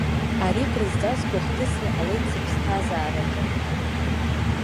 Ари акрызҵазкуа хҭысны иҟалеит сыԥсҭазаараҿы.